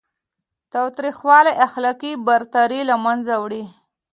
تاوتریخوالی اخلاقي برتري له منځه وړي.